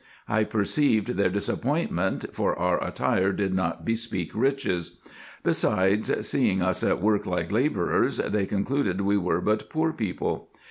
I perceived their disap pointment, for our attire did not bespeak riches. Besides, seeing us at work like labourers, they concluded we were but poor people.